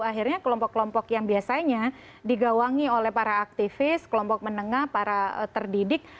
akhirnya kelompok kelompok yang biasanya digawangi oleh para aktivis kelompok menengah para terdidik